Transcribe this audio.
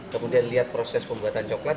kemudian lihat proses pembuatan coklat